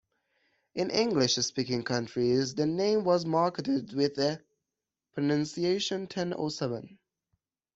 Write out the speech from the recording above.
In English speaking countries, the name was marketed with the pronunciation "ten oh seven".